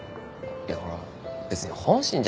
いやほら別に本心じゃないと思うよ。